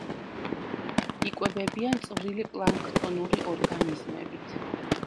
იკვებებიან წვრილი პლანქტონური ორგანიზმებით.